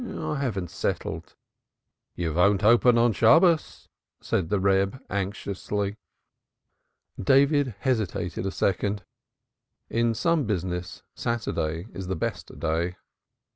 "I haven't settled." "You won't open on Shabbos?" said the Reb anxiously. David hesitated a second. In some business, Saturday is the best day.